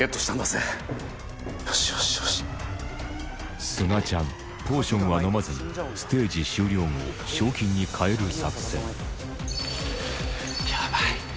すがちゃんポーションは飲まずステージ終了後賞金に換える作戦ヤバい。